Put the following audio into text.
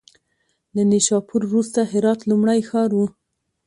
له نیشاپور وروسته هرات لومړی ښار و.